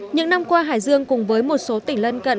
những năm qua hải dương cùng với một số tỉnh lân cận